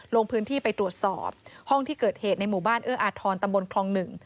ลงพื้นที่ไปตรวจสอบห้องที่เกิดเหตุในหมู่บ้านเอื้ออาทรตำบลคลองหนึ่ง